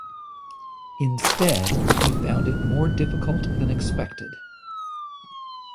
Instead, he found it more difficult than expected.